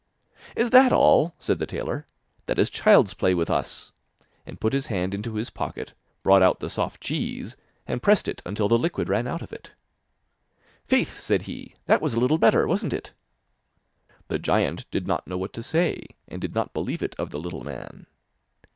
'Is that all?' said the tailor, 'that is child's play with us!' and put his hand into his pocket, brought out the soft cheese, and pressed it until the liquid ran out of it. 'Faith,' said he, 'that was a little better, wasn't it?' The giant did not know what to say, and could not believe it of the little man.